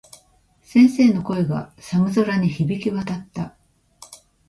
先生の声が、寒空に響き渡った。